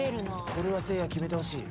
・これはせいや決めてほしい。